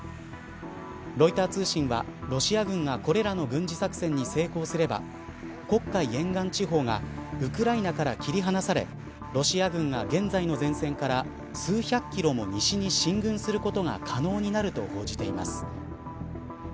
ロイター通信はロシア軍がこれらの軍事作戦に成功すれば黒海沿岸地方がウクライナから切り離されロシア軍が現在の前線から数百キロも西に進軍する事が可能になると報じています。